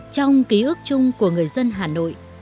trong ký ức chung của người dân hà nội